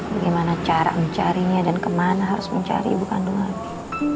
bagaimana cara mencarinya dan ke mana harus mencari ibu kandung nabi